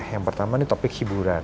yang pertama ini topik hiburan